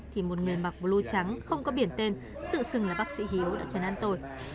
thì một người mặc blue trắng không có biển tên tự xưng là bác sĩ hiếu đã chấn an tôi